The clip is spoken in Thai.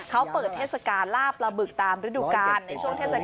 เขาเปิดเทศกาลล่าปลาบึกตามฤดูกาลในช่วงเทศกาล